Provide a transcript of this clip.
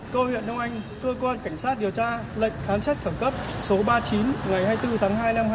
cơ huyện đông anh cơ quan cảnh sát điều tra lệnh khán xét khẩn cấp số ba mươi chín ngày hai mươi bốn tháng hai năm hai nghìn hai mươi ba